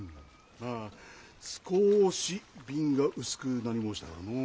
あ少し鬢が薄くなり申したからのう。